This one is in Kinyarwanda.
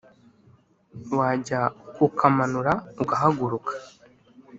wajya kukamanura ugahaguruka